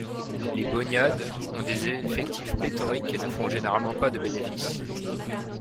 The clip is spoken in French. Les Bonyads ont des effectifs pléthoriques et ne font généralement pas de bénéfices.